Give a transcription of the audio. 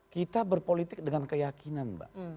kita berpolitik dengan keyakinan mbak